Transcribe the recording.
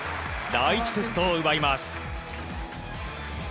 第１セットを奪います。